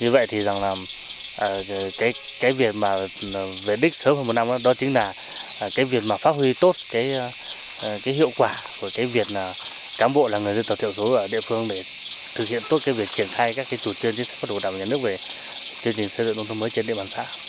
như vậy thì rằng là cái việc mà về đích sớm hơn một năm đó chính là cái việc mà phát huy tốt cái hiệu quả của cái việc là cám bộ là người dân tộc thiểu số ở địa phương để thực hiện tốt cái việc triển khai các cái chủ trương chính sách pháp đồ đạm nhà nước về chương trình xây dựng nông thôn mới trên địa bàn xã